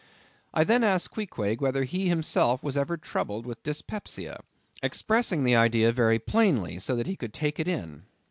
I then asked Queequeg whether he himself was ever troubled with dyspepsia; expressing the idea very plainly, so that he could take it in.